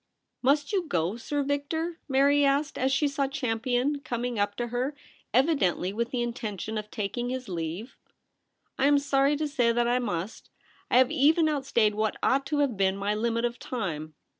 * Must you go, Sir Victor ?' Mary asked, as she saw Champion coming up to her, evi dently with the intention of taking his leave. * I am sorry to say that I must. I have even outstayed what ought to have been my limit of time.'